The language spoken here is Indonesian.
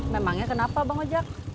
memangnya kenapa bang ojak